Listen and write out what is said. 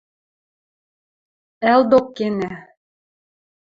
– Ӓлдок кенӓ.